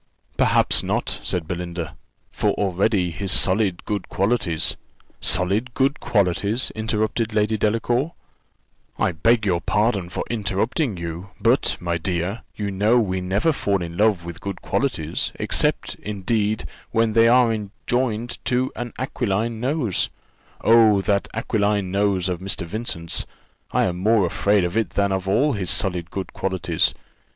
"Perhaps not," said Belinda; "for already his solid good qualities " "Solid good qualities!" interrupted Lady Delacour: "I beg your pardon for interrupting you, but, my dear, you know we never fall in love with good qualities, except, indeed, when they are joined to an aquiline nose oh! that aquiline nose of Mr. Vincent's! I am more afraid of it than of all his solid good qualities.